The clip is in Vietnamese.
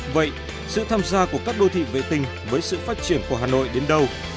vậy sự tham gia của các đô thị vệ tinh với sự phát triển của hà nội đến đâu